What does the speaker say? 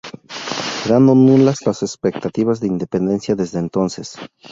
Quedando nulas las expectativas de independencia desde entonces.